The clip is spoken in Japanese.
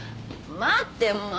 待ってもう！